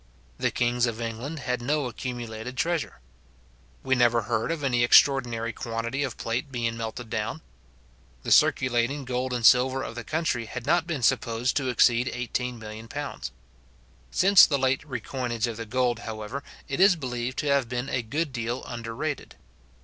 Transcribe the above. The kings of England had no accumulated treasure. We never heard of any extraordinary quantity of plate being melted down. The circulating gold and silver of the country had not been supposed to exceed £18,000,000. Since the late recoinage of the gold, however, it is believed to have been a good deal under rated.